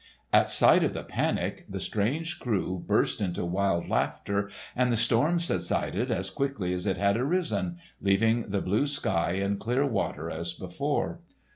At sight of the panic, the strange crew burst into wild laughter, and the storm subsided as quickly as it had arisen, leaving the blue sky and clear water as before.